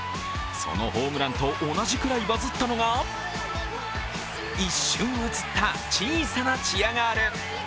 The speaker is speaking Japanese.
そのホームランと同じくらいバズったのが一瞬映った小さなチアガール。